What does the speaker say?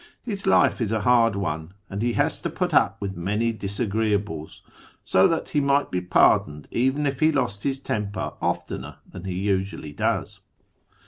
His life is a hard one, and he has to put up with many disagreeables ; so that he might be pardoned even if he lost his temper oftener than he usually does.